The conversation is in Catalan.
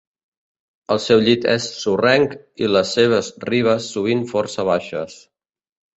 El seu llit és sorrenc i les seves ribes sovint força baixes.